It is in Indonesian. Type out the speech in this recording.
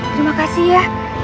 terima kasih ya